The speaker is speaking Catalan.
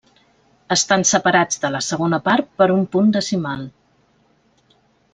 Estan separats de la segona part per un punt decimal.